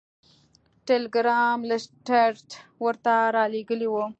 ټیلګرام لیسټرډ ورته رالیږلی و.